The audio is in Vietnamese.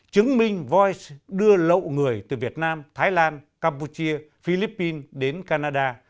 chứng minh voice đưa lậu người từ việt nam thái lan campuchia philippines đến canada